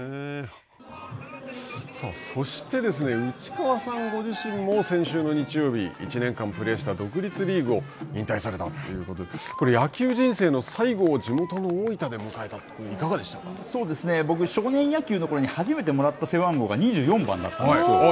そしてですね、内川さんご自身も、先週の日曜日、１年間プレーした独立リーグを引退されたということで、これ野球人生の最後を地元の大分で迎えたというのは、僕、少年野球のころに初めてもらった背番号が２４番だったんですよ。